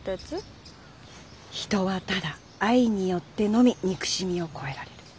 「人はただ愛によってのみ憎しみを越えられる。